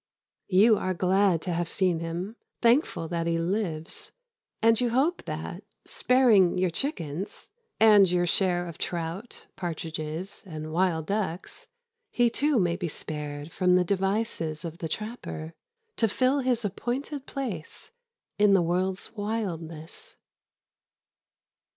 You are glad to have seen him, thankful that he lives, and you hope that, sparing your chickens and your share of trout, partridges, and wild ducks, he too may be spared from the devices of the trapper to fill his appointed place in the world's wildness.